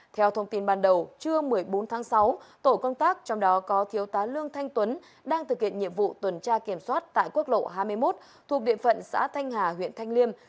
theo thông tin ban đầu trưa một mươi bốn tháng sáu tổ công tác trong đó có thiếu tá lương thanh tuấn đang thực hiện nhiệm vụ tuần tra kiểm soát tại quốc lộ hai mươi một thuộc địa phận xã thanh hà huyện thanh liêm